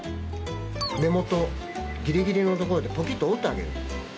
根元ギリギリのところでポキッと折ってあげる。